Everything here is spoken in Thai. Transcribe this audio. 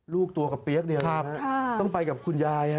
ลูกตัวกับเปี๊ยกต้องไปกับคุณยาย